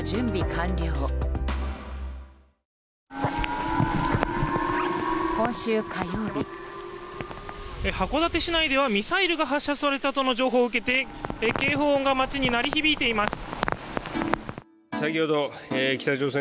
函館市内ではミサイルが発射されたとの情報を受けて警報音が町に鳴り響いています。